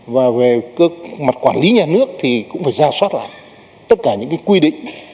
và về mặt quản lý nhà nước thì cũng phải ra soát lại tất cả những cái quy định